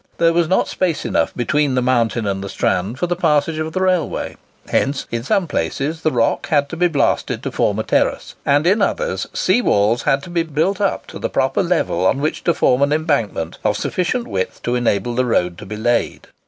There was not space enough between the mountain and the strand for the passage of the railway; hence in some places the rock had to be blasted to form a terrace, and in others sea walls had to be built up to the proper level, on which to form an embankment of sufficient width to enable the road to be laid.